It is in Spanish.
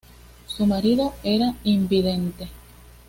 Su marido era invidente.